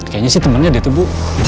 kayaknya sih temennya di situ bu